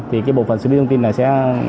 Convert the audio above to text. thì cái bộ phận xử lý thông tin này sẽ